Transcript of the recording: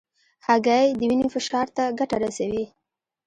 هګۍ د وینې فشار ته ګټه رسوي.